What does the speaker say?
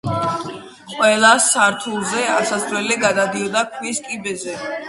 ყველა სართულზე ასასვლელი გადიოდა ქვის კიბეზე.